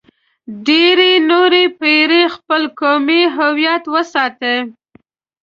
ډېرې نورې پېړۍ خپل قومي هویت وساتئ.